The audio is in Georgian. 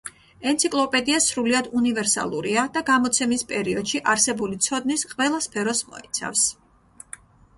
ენციკლოპედია სრულიად უნივერსალურია და გამოცემის პერიოდში არსებული ცოდნის ყველა სფეროს მოიცავს.